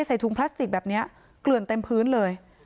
ถุงพลาสติกแบบนี้เกลื่อนเต็มพื้นเลย